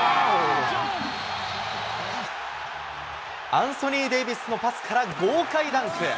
アンソニー・デイビスのパスから豪快ダンク。